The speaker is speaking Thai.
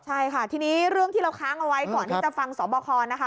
ใช่ค่ะทีนี้เรื่องที่เราค้างเอาไว้ก่อนที่จะฟังสอบคอนะคะ